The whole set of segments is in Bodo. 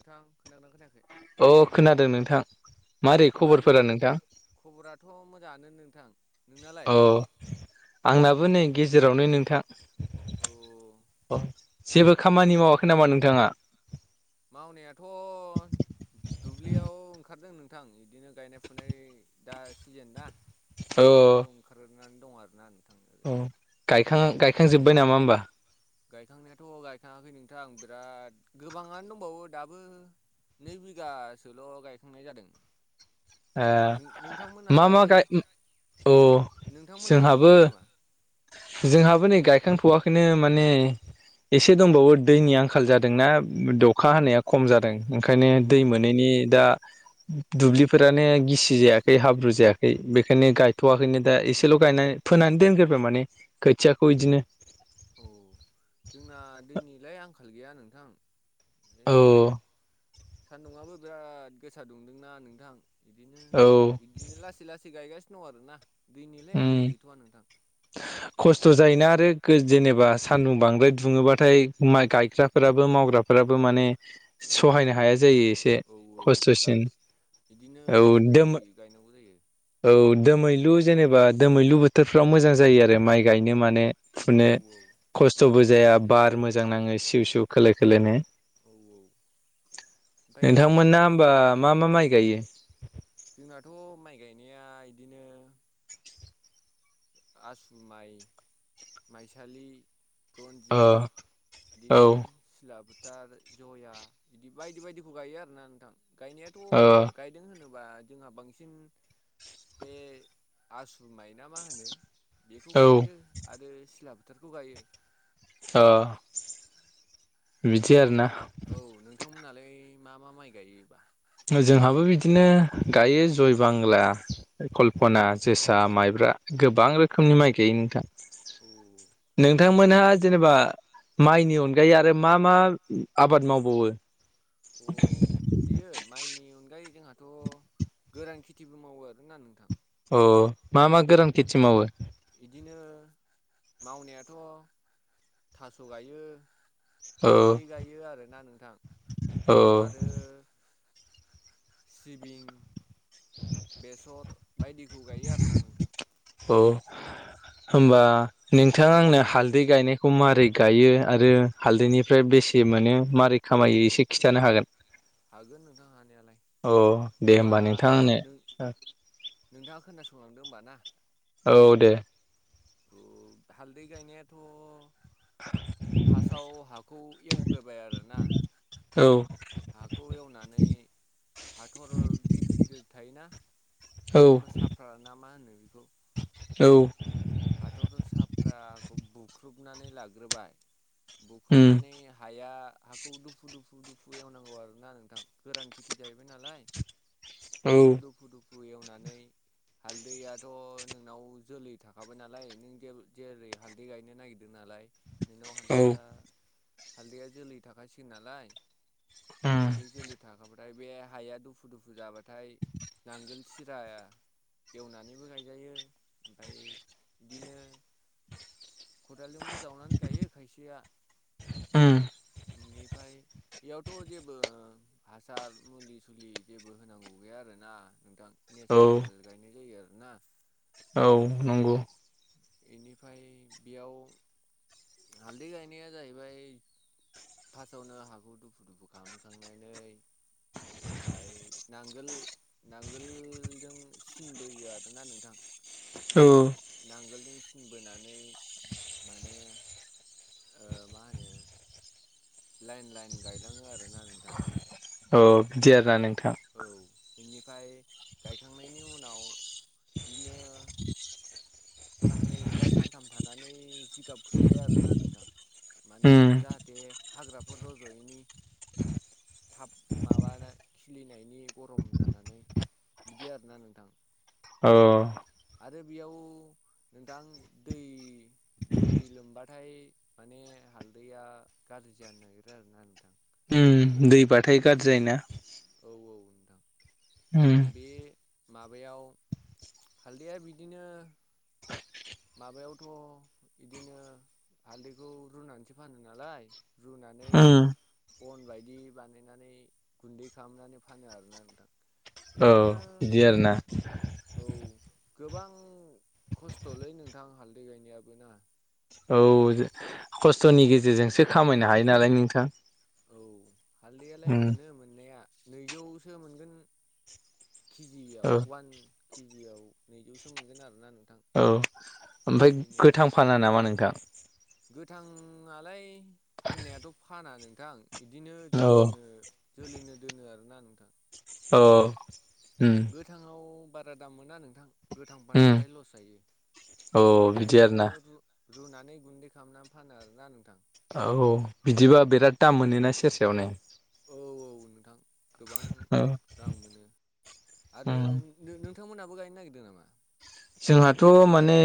नोंथां खोनादोंना अ खोनादों नोंथां मारै खबरा बोरो खबरफोरा नोंथां खबराथ' मोजाङानो नों अ आंनाबो नै गेजेरावनो नोंथां औ अ जेबो खामानि मावाखै नामा नोंथाङा? मावनायाथ' आं इदिनो गायनाय फुनाय दा सिजोन ना बेयो दुब्लियाव ओंखार नानै दं आरोना नोंथां अ ओरैनो गायखां गायखां जोब्बाय नामा होमबा? गायखांनायाथ' गायखाङाखै नोंथां बिराद गोबाङानो दंबावो दाबो नै बिगासेल' गायखांनाय जादों ए मा नोंथांमोनहालाय मा गाय उम अ नोंथांमोनहा जोंहाबो गायखांबाय नामा जोंहाबो नै गायखांथ'वाखैनो माने एसे दंबावो दैनि आं खाल जादोंना उम दखा हानाया खम जादों ओंखायनो औ दै मोनैनि दा दु-दुब्लिफोरानो गिसि जायाखै हाब्रु जायाखै बेखायनो गायथ'वाखैनो दा एसेल' गायनाय फोनानै दोनगोरबाय माने खोथियाखौ इदिनो औ जोंना दैनिलाय आंखाल गैया नोंथां अ इदिनो सान्दुंआबो बिराद गोसा दुंदोंना नोंथां इदिनो औ इदिनो लासै लासै गायगास सिन दं आरोना दैनिलाय उम आंखाल गैथ'वा नोंथां खस्थ' जायोना आरो गो जेनेबा सानदुं बांद्राय दुङोबाथाय माइ गायग्राफोराबो मावग्राफोर राबो माने सहायनो हाया जायो। एसे औ औ ला खस्थ'सिन इदिनो औ लासै दोम लासै गायनांगौ जायो। औ दोमैलु जेनेबा दोमैलु बोथोरफ्राव मोजां जायो आरो माइ गायनो मानो फुनो औ औ खस्थ'बो जाया बार मोजां नाङो सिउ सिउ खोलो खोलोनो औ ओमफाय नोंथांमोना होमबा मा मा माइ गायो? जोंनाथ' माइ गायनाया इदिनो आसु माइ माइसालि अ रन्जित बिदिनो औ सिला बु थार ज'या इदि बायदि बायदिखौ गायो आरोना नोंथां गायनायाथ' अ गायदों होनोब बा जोंहा बांसिन बे आसु माइना मा होनो बेखौ औ गायो आरो सिला बोथारखौ गायो। ओ बिदि आरोना औ नोंथांमोनालाय मा मा माइ गायोबा जोंहाबो बिदिनो गायो जय बांला अ औ कल्पना, जोसा, माइब्रा गोबां रोखोमनि माइ गायो नोंथां ओमफ्राय नोंथांमोनहा जेनेबा माइनि अनगायै आरो मा मा आबाद मावबावो अ बियो माइनि अनगायै जोंहाथ' गोरान खेथिबो मावो आरोना नोंथां अ मा मा गोरान खेथि मावो इदिनो मावनायाथ' थास' गायो औ हालदै गायो आरोना नोंथां औ आरो सिबिं, बेसर बायदिखौ गायो आरोना नोंथां औ होमबा नोंथाङा आंनो हालदै गायनायखौ मारै गायो आरो हालदैनिफ्राय बेसे मोनो मारै खामायो एसे खिन्थानो हागोन हागोन नोंथां हानायालाय अ दे होम्बा होमबा नोंथां नों आंनो नोंथाङा खोनासंलांदो होमबा ना औ दे हालदै गायनायाथ' फार्स्टआव हाखौ एवग्रोबाय आरोना औ हाखौ एवनानै हाथर गिदिर गिदिर थायोना औ हाथ'र साफ्रााना मा होनो बेखौ औ हाथर' साफ्राखौ बुख्रुबनानै लाग्रोबाय उम बुख्रुबनानै हाया हाखौ दुफु दुफु दुफु एवनांगौ आरो ना नोंथां गोरान खेथि जाहैबाय नालाय औ हाखौ दुफु दुफु एवनानै हालदैयाथ' नोंनाव जोलै थाङ सांसों नालाय नों जे जेरै हालदै गायनो नागिरदों नालाय नोंनाव औ हालदैया हालदैया जोलै थाखासिगोन नालाय उम हाल्दै जोलै थाखाब् ऐ बे हाया दुफु दुफु जाबाथाय नांगोल सिराया एवनानैबो गायजायो ओमफाय बिदिनो खदालजोंबो जावनानै गायो खायसेया उम [inaudible] नि ओमफ्राय बेयावथ' जेबो हासार, मुलि सुलि जेबो होनांगौ गैया आरोना नोंथां औ नेसारेल गायनाय जायो आरोना औ नंगौ बेनिफ्राय बेयाव हालदै गायनाया जाहैबाय फार्स्टआवनो हाखौ दुफु दुफु खालामखांनानै बाय नांगोल नांगोल जों सिन बोयो आरोना नोंथां औ नांगोलजों सिन बोनानै माने ओ मा होनो लाइन लाइन गायलाङो आरोना नोंथां औ बिदि आरोना नोंथाङ बिनिफ्राय गायखांनायनि उनाव बिदिनो साननै बा सानथाम थानानै जिगाब खोबो आरोना नोंथां मानोना जाहाथे हाग्राफोर रज'यैनि थाब माबानाय खिलिनायनि गरम जानानै बिदि आरोना नोंथां औ आरो बेयाव नोंथां दै दै लोमबाथाय माने। हालदैया गाज्रि जानो नागिरो आरोना नोंथां। उम दैबाथाय गाज्रि जायोना। औ औ नोंथां उम बे माबायाव हालदैया बिदिनो। माबायावथ' बिदिनो हालदैखौ रुनानैसो फानो नालाय। रुनानै। अन बायदि बानायनानै गुन्दै खालामनानै फानो आरोना नोंथां। औ बिदिनो बिदि आरोना। औ गोबां खस्थ'लै नोंथां हालदै गायनायाबोना। औ खस्थ'नि गेजेरजोंसो खामायनो हायो नालाय नोंथां। औ हालदैयालाय उम मोनो मोननाया नैजौसो मोनगोन। केजियाव औ अवान केजियाव नैजौसो मोनगोन आरोना नों औ ओमफ्राय गोथां फाना नामा नोंथां। गोथांलाय फाननायाथ' फाना नोंथां। बिदिनो औ जोलैनो जोलैनो दोनो आरोना नोंथां। औ। उम गोथांआव बारा दाम मोना नोंथां। गोथां उम फानबाथाय लस जायो औ बिदि ओंखायनो। आरोना रुनानै गुन्दै खालामनानै फानो आरोना नोंथां। औ बिदिबा बिराद दाम मोनोना सेरसेयावनो। औ औ नोंथां गोबां औ रां मोनो आरो उम [unintelligible] नोंथांमोनहाबो गायनो नागिरदों नामा। जोंहाथ' माने।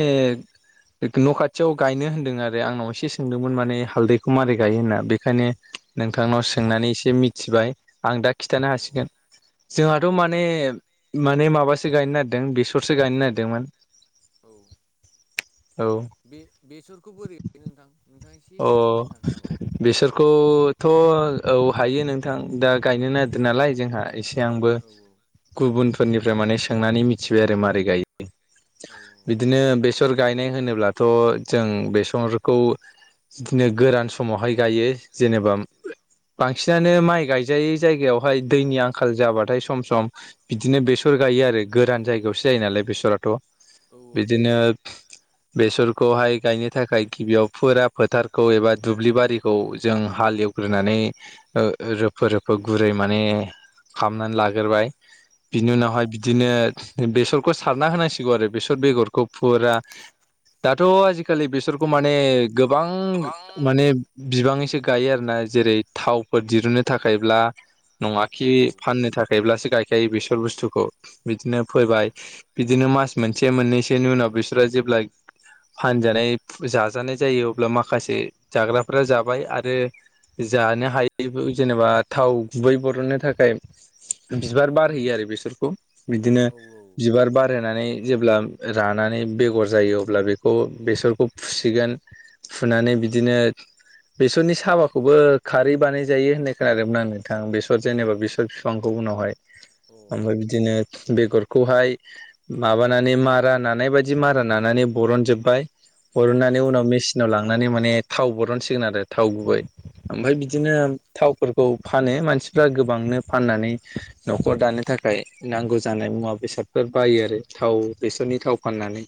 न' खाथियाव गायनो होन्दों आरो आंनाव एसे सोंदोंमोन माने हालदैखौ मारै गायो होनना बेखायनो। नोंथांनाव औ सोंनानै एसे मिथिबाय आं दा खिन्थानो हासिगोन। औ जोंहाथ' औ औ माने नोंथां माने माबासो गायनो नागेरदों बेसरसो गायनो नागिरदोंमोन। औ। औ बे बेसरखौ बोरै गायो नोंथां नोंथां एसे अ फोरमायनो हागोन नामा बेसोरखौथ'। औ हायो नोंथां दा गायनो नागिरदों नालाय जोंहा एसे आंबो औ गुबुन। फोरनिफ्राय माने सोंनानै मिथिबाय आरो मारै गायो औ औ बिदिनो। बेसर गायनाय होनोब्लाथ' जों बेसरखौ। बिदिनो गोरान समावहाय गायो जेनेबा। बांसिनानो माइ गायजायै जायगायावहाय। दैनि आंखाल जाबाथाय सम सम बिदिनो बेसर गायो आरो गोरान जायगायावसो जायो नालाय बेसराथ'। बिदिनो बेसरखौहाय गायनो थाखाय गिबियाव फुरा फोथारखौ एबा दुब्लि बारिखौ जों हाल एवग्रोनानै ओ रोफो रोफो गुरै। माने खामनानै लाग्रोबाय बिनि औ उनावहाय बिदिनो। बेसरखौ सारना होनांसिगौ आरो बेसर बेगरखौ फुरा। दाथ' आजि खालि बेसरखौ माने गोबां माने। बिबाङैसो गायो आरोना जेरै थावफोर दिरुननो थाखायब्ला। नङा फाननो खि थाखायब्लासो गायजायो बेसर फाननो थाखायब्लासो। गायखायो बेसर बुस्थुखौ बिदिनो फैबाय बिदिनो मास मोनसे मोननैसेनि उनाव बिसोर जेब्ला फानजानाय जाजानाय। जायो अब्ला माखासे जाग्राफोरा जाबाय आरो जानो हायै जेनेबा। थाव गुबै बरननो थाखाय बिबार बारहैयो आरो बेसरखौ। बिदिनो औ बिबार बारहोनानै। जेब्ला रानानै बेगर जायो अब्ला बेखौ बेसरखौ फुसिगोन। फुनानै बिदिनो। बेसरनि साबाखौबो खारै बानाय जायो होननाय खोनादोंमोन आं नोंथां बेसर जेनेबा बेसर बिफांखौ उनावहाय। उनावहाय ओमफ्राय बिदिनो बेगरखौहाय माबानानै मारा नानाय बायदि मारा नानानै बरनजोब्बाय। बिदिनो बेगरखौहाय फुनानै मेसिनाव लांनानै माने थाव बरनसिगोन आरो थाव गुबै ओमफ्राय बिदिनो बर'नानै उनाव नाव लांनानै माने थाव बरनसिगोन आरो थाव गुबै ओमफ्राय बिदिनो थावफोरखौ फानो मानसिफ्रा गोबांनो फाननानै न'खर दानो थाखाय नांगौ जानाय मुवा बेसादफोर बायो। आरो थाव बेसरनि थाव फाननानै।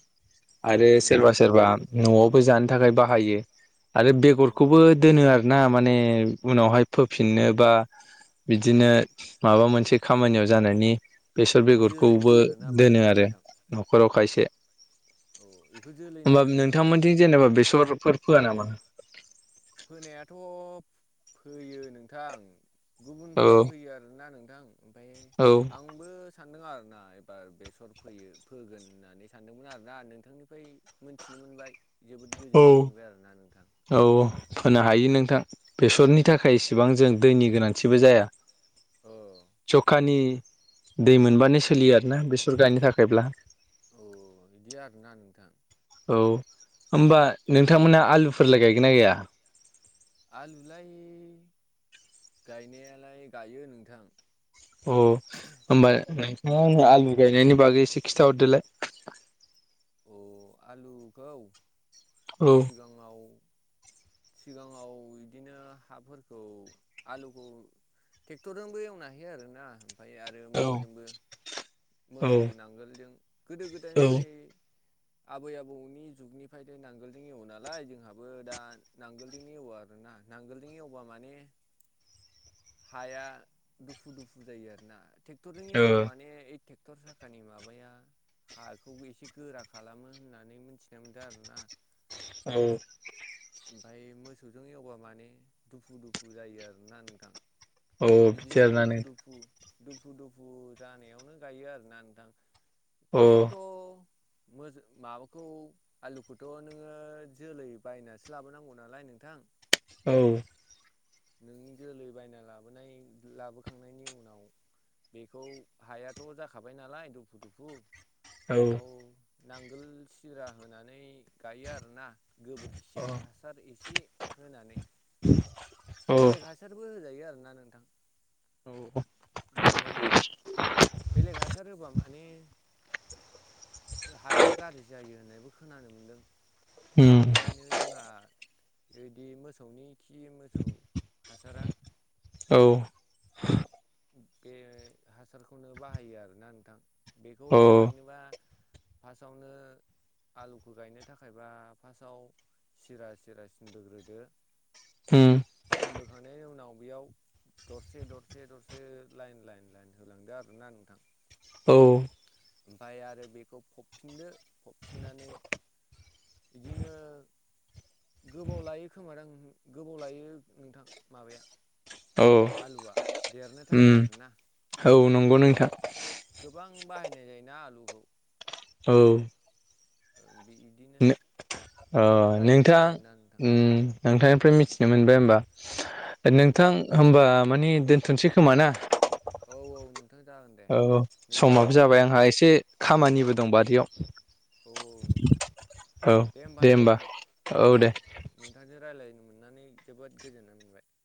आरो सोरबा सोरबा न'आवबो जानो थाखाय बाहायो। आरो औ बेगरखौबो दोनो आरो ना माने उनावहाय फोफिननो बा बिदिनो माबा मोनसे खामानियाव जानायनि बेसर जोलैनो बेगरखौबो आरोना माने दोनो आरो नोंथां न'खराव खायसे औ बेखौ जोलैनो होमबा होनो नामा नोंथां? नोंथांमोनिथिं जेनेबा बेसरफोर फोया नामा? फोनायाथ' फोयो नोंथां औ गुबुनफोरा फैयो आरोना नोंथां ओमफ्राय औ आंबो सानदों आरो बो एबार बेसर फोयो फोगोन होननानै सानदोंमोन आरोना। नोंथांनिफ्राय मोनथिनो मोनबाय जोबोद औ गोजोननाय मोनबाय आरोना नोंथां। औ फोनो हायो नोंथां। बेसरनि थाखाय इसेबां जों दैनि गोनांथिबो जाया। औ जखानि दै मोनबानो सोलियो आरोना बेसर गायनो थाखायब्ला। औ बिदि आरोना नोंथां। औ होमबा नोंथांमोना आलुफोरलाय गायगोन ना गैया? आलुलाय गायनायालाय गायो नोंथां। अ। होमबा नोंथाङा आंनो आलु गायनायनि बागै एसे खिन्थाहरदोलाय। अ आलुखौ औ सिगाङाव सिगाङाव बिदिनो हाफोरखौ आलुखौ ट्रेक्टरजोंबो एवनो हायो आरोना। ओमफ्राय आरो औ माबाजोंबो मोसौ नांगोलजों गोदो गोदायनिफ्राय औ [inaudible] आबै आबौनि जुगनिफ्रायथ नांगोलजों एवो नालाय जोंहाबो दा नांगोलजोंनो एवो आरोना। नांगोलजों एवबा माने हाया दुफु दुफु जायो आरोना। ट्रेक्टरजों एवबा माने ओइ ट्रेक्टर साखानि माबाया हाखौबो एसे गोरा खालामो होननानै मिथिनाय मोनदों आरो ना। औ। ओमफ्राय मोसौजों एवबा माने दुफु दुफु जायो आरोना नोंथां। अ बिदिनो दुफु फिथेरनानै दुफु दुफु दुफु जानायावनो गायो आरोना नोंथां। अ फासआवथ' मो माबाखौ आलुखौथ' नोङो जोलै बायनासो लाबोनांगौ नालाय नों थां। औ। नों जोलै बायना लाबोनाय लाबोखांनायनि उनाव बेखौ हायाथ' जाखाबाय नालाय दुफु दुफु औ अ औ बेयाव नांगोल सिरा होनानै गायो आरोना। गोबोरखिया हासार एसे होनानै बेलेग हासारबो होजायो आरोना नोंथां। औ। ओमफ्राय बेलेग हासार होबा माने हाया गाज्रि जायो होननायबो खोनानो मोनदों उम ओंखायनो जोंहा बिदि मोसौनि खि मोसौ हासारा औ। बे हासारखौनो बाहायो आरोना नोंथां बेखौ औ गायनोबा फार्स्टआवनो आलुखौ गायनो थाखायबा फार्स्टआव सिरा सिरा सिनबोग्रोदो उम सिन बोखांनायनि उनाव बेयाव दरसे-दरसे-दरसे ओ लाइन-लाइन-लाइन होलांदो आरो ना नोंथां। औ। ओमफ्राय आरो बेखौ फबफिनदो फबफिननानै बिदिनो गोबाव लायो खोमा दां गोबाव लायो नोंथां माबाया औ आलुआ देरनो थाखाय उम आरोना औ नंगौ नोंथां। गोबां बाहायनाय जायोना आलुखौ। औ। बिदिनो नो अ बिदिनो गायलाङो नोंथां आरोना नोंथां उम नोंथांनिफ्राय मिथिनो मोनबाय होमबा। औ नोंथां होमबा माने दोनथ'नोसै खोमा ना? औ औ नोंथां जागोन दे औ समाबो नोंथांनिफ्राय जाबाय आंहा एसे खामानिबो दङ बारियाव। औ-औ नोंथां दे होमबा ना नोंथां औ नोंथांजों राय ज्लायनो मोननानै जोबोद गोजोननाय मोनबाय।